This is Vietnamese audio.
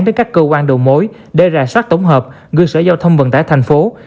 đến các cơ quan đầu mối để rà sát tổng hợp gương sở giao thông vận tải thành phố